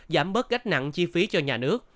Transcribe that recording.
giảm bớt gách nặng chi phí cho nhà nước